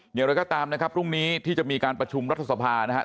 อย่างไรก็ตามนะครับพรุ่งนี้ที่จะมีการประชุมรัฐสภานะครับ